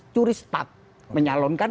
curi stat menyalonkan